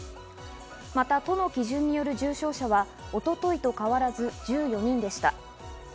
また都の基準による重症者は一昨日と変わらず１４人でした。